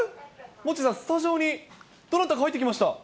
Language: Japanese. モッチーさん、スタジオにどなたか入ってきました。